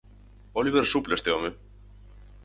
Óliver suple este home.